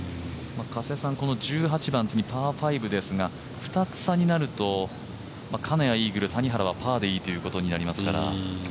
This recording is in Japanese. １８番、次パー５ですが２つ差になると金谷イーグル谷原はパーでいいということになりますから。